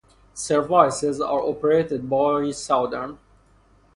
Services are operated by Southern.